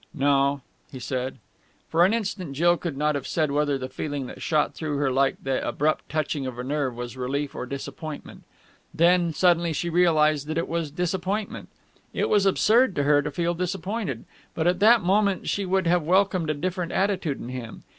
"No!" he said. For an instant, Jill could not have said whether the feeling that shot through her like the abrupt touching of a nerve was relief or disappointment. Then suddenly she realized that it was disappointment. It was absurd to her to feel disappointed, but at that moment she would have welcomed a different attitude in him.